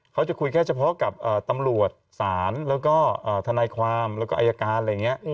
เขาจะคุยแค่เฉพาะกับตำรวจศาลแล้วก็ทนายความแล้วก็อายการอะไรอย่างนี้